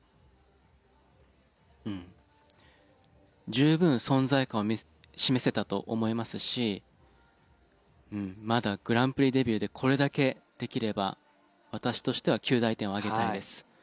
十分存在感を示せたと思いますしまだグランプリデビューでこれだけできれば私としては及第点をあげたいです。